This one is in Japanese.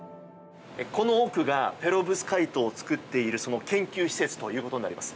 この奥がペロブスカイトを作っているその研究施設ということになります。